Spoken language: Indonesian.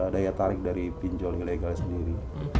daya tarik dari pinjol ilegalnya sendiri